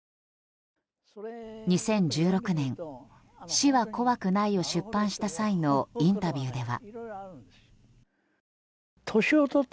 ２０１６年「死はこわくない」を出版した際のインタビューでは。